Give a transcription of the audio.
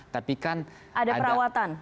tapi kan ada dana untuk berlayar